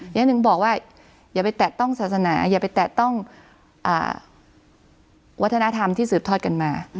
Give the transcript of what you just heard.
อย่างหนึ่งบอกว่าอย่าไปแตะต้องศาสนาอย่าไปแตะต้องวัฒนธรรมที่สืบทอดกันมา